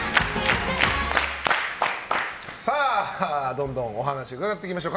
どんどんお話を伺っていきましょう。